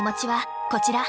こちら。